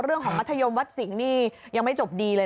เรื่องของมัธยมวัดสิงห์นี่ยังไม่จบดีเลยนะ